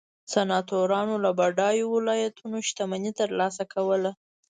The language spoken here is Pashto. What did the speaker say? سناتورانو له بډایو ولایتونو شتمني ترلاسه کوله